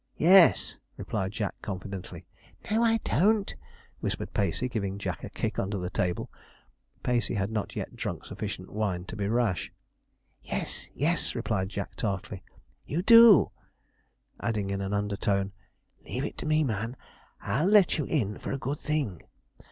'Yes,' replied Jack confidently. 'No, I don't,' whispered Pacey, giving Jack a kick under the table. Pacey had not yet drunk sufficient wine to be rash. 'Yes, yes,' replied Jack tartly, 'you do,' adding, in an undertone, 'leave it to me, man, and I'll let you in for a good thing.